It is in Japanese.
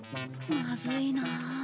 まずいなあ。